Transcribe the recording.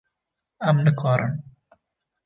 Em nikarin.